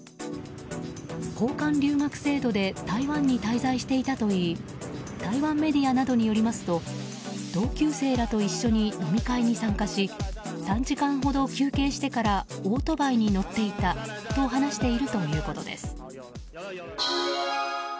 交換留学制度で台湾に滞在していたといい台湾メディアなどによりますと同級生らと一緒に飲み会に参加し３時間ほど休憩してからオートバイに乗っていたと話しているということです。